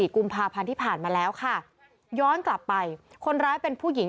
กุมภาพันธ์ที่ผ่านมาแล้วค่ะย้อนกลับไปคนร้ายเป็นผู้หญิง